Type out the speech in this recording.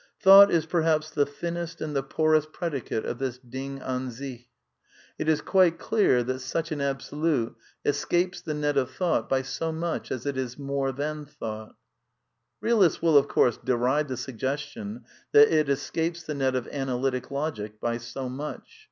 |1 Thought is perhaps the thiimest and the poorest pred THE NEW KEALISM 211 icate of this Ding avrStch. It is quite clear that such an A bsolute escapes the net of thought by so much as it is more than thought Realists, will, of course, deride the suggestion that it escapes the net of Analytic Logic by so much.